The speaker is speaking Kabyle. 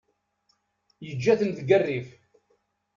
Yeǧǧa-ten deg rrif.